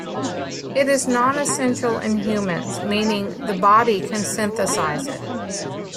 It is non-essential in humans, meaning the body can synthesize it.